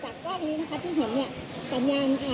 จากกล้อกนี้ที่เห็นสัญญาณ